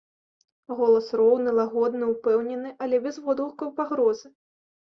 Голас роўны, лагодны, упэўнены, але без водгукаў пагрозы.